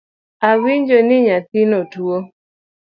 Awinjo ni nyathino tuo